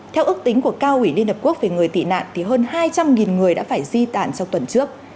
theo ước tính của cao ủy liên hợp quốc về người tị nạn thì hơn hai trăm linh người đã phải di tản trong tuần trước